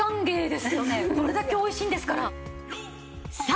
これだけおいしいんですから。